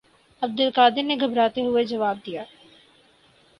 عبدالقادر نے گھبراتے ہوئے جواب دیا